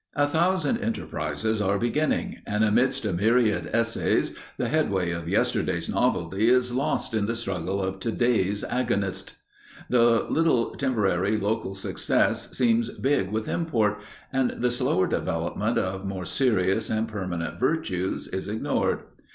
A thousand enterprises are beginning, and amidst a myriad essays the headway of yesterday's novelty is lost in the struggle of today's agonists. The little, temporary, local success seems big with import, and the slower development of more serious and permanent virtues is ignored.